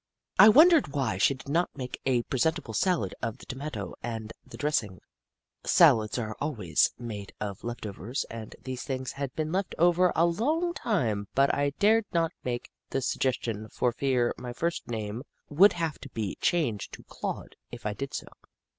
I wondered why she did not make a presentable salad of the tomato and the dressing — salads are always made of left overs and these things had been left over a long time, but I dared not make the sug gestion for fear my first name would have to be changed to Claude if I did so.